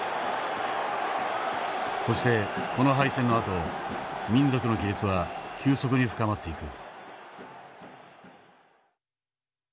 そしてこの敗戦のあと民族の亀裂は急速に深まっていく。